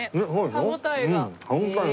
歯応えが。